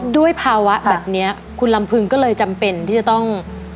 ด้วยภาวะแบบนี้คุณลำพึงก็เลยจำเป็นที่จะต้อง